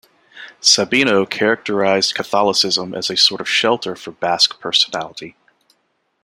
Sabino characterized Catholicism as a sort of shelter for Basque personality.